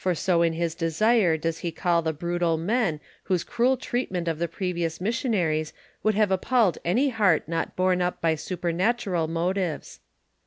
o in his desire does he call the brutal men whose cruel treatment of t1>c fi iotia missionaries would have appalled any heart not borne up by supemai > tives.